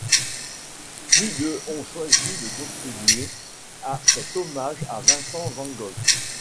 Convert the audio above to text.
Plus de ont choisi de contribuer à cet hommage à Vincent van Gogh.